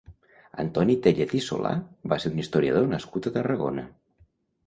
Antoni Téllez i Solà va ser un historiador nascut a Tarragona.